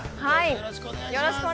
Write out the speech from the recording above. ◆よろしくお願いします。